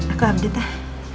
aku update lah